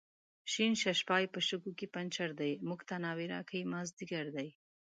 شین ششپای په شګو کې پنچر دی، موږ ته ناوې راکئ مازدیګر دی